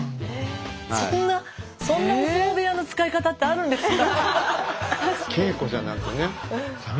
そんなそんなお相撲部屋の使い方ってあるんですか。